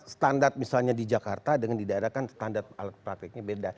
standar misalnya di jakarta dengan di daerah kan standar alat prakteknya beda